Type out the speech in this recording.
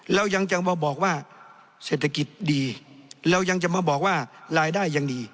เรายังจะมาบอกว่าเศรษฐกิจดีเรายังจะมาบอกว่ารายได้ยังดี